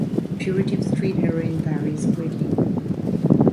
The purity of street heroin varies greatly.